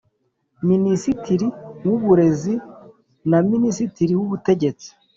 Minisitiri w Uburezi na Minisitiri w Ubutegetsi